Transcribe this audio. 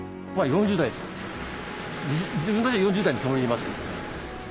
自分の中では４０代のつもりでいますけどね。